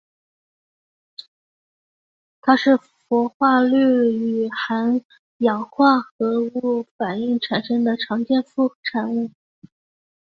它是氟化氯与含氧化合物反应产生的常见副产物。